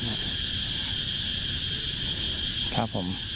เอ่อครับผม